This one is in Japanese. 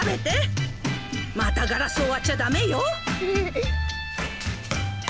またガラスをわっちゃダメよ！